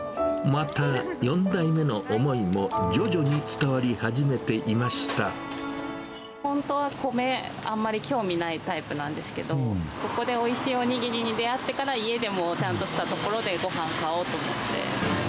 また、４代目の思いも、本当は米、あんまり興味ないタイプなんですけれども、ここでおいしいおにぎりに出会ってから、家でもちゃんとしたところでごはんを買おうと思って。